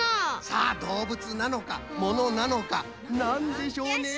さあどうぶつなのかものなのかなんでしょうね。